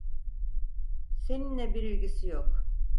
Seninle bir ilgisi yok.